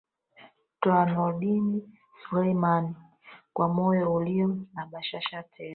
twa nordin selumani kwa moyo uliyo na bashasha tele